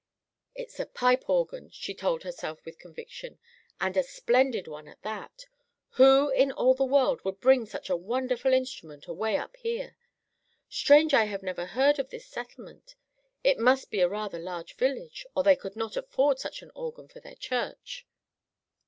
"It's a pipe organ," she told herself with conviction, "and a splendid one at that! Who in all the world would bring such a wonderful instrument away up here? Strange I have never heard of this settlement. It must be a rather large village or they could not afford such an organ for their church."